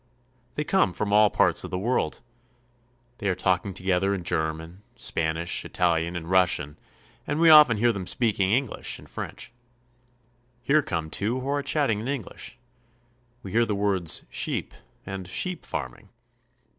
They come from all parts of the world. They are talk ing together in German, Spanish, Italian, and Russian, and we often hear them speaking English and French. Here come two who are chatting in English. We hear the words "sheep" and ''sheep farming."